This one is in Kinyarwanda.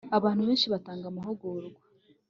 abantu benshi batanga amahugurwa